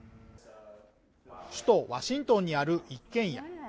首都ワシントンにある一軒家